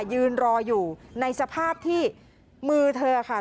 ยืนรออยู่ในสภาพที่มือเธอค่ะ